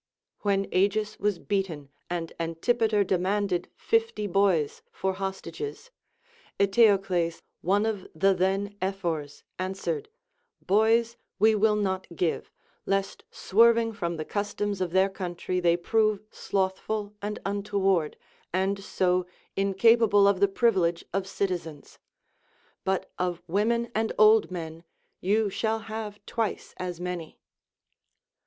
When Agis was beaten and Antipater demanded fifty boys for hostages, Eteocles, one of the then Ephors, answered : Boys we will not give, lest swerving from the customs of their country they prove slothful and untoward, and so incapable of the privilege of citizens ; but of women and old men you shall have twice as many.